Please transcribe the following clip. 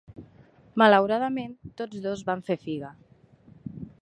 Malauradament tots dos van fer figa.